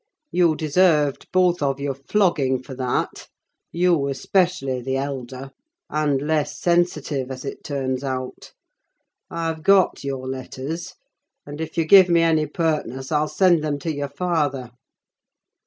You deserved, both of you, flogging for that! You especially, the elder; and less sensitive, as it turns out. I've got your letters, and if you give me any pertness I'll send them to your father.